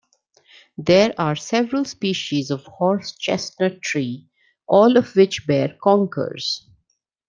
There are several species of horse chestnut tree, all of which bear conkers